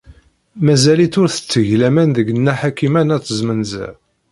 Mazal-itt ur tetteg laman deg Nna Ḥakima n At Zmenzer.